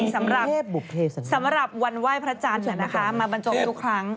สำหรับสำหรับวันไหว้พระจานค่ะนะคะมาบันโจทย์ทุกครั้ง